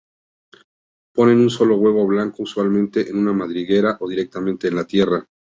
Ponen un solo huevo blanco usualmente en una madriguera o directamente en la tierra.